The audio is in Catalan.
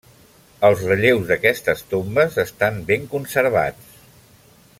Els relleus d'aquestes tombes estan ben conservats.